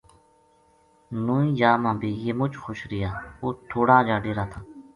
نوئی جا ما بے یہ مُچ خوش رہیا اُت تھوڑ ا جا ڈیرا تھا